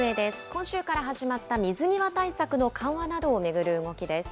今週から始まった水際対策の緩和などを巡る動きです。